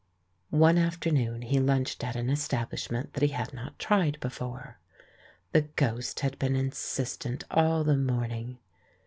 One afternoon he lunched at an establishment that he had not tried before. The ghost had been insistent all the morning.